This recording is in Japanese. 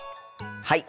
はい！